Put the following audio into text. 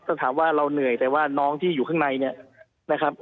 ถ้าถามว่าเราเหนื่อยแต่ว่าน้องที่อยู่ข้างในเนี่ยนะครับ